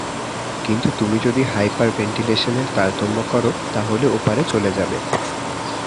কিন্তু তুমি যদি হাইপারভেন্টিলেশনের তারতম্য করো তাহলে ওপারে চলে যাবে।